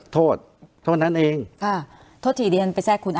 โทษโทษนั้นเองค่ะทดลิเรียนไปแทรกคุณอ๋อ